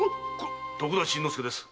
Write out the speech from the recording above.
徳田新之助です。